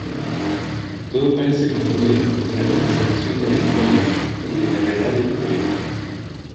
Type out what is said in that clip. Todo parece confluir en la representación de la Historia y de la Verdad histórica.